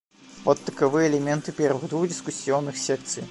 Вот таковы элементы первых двух дискуссионных секций.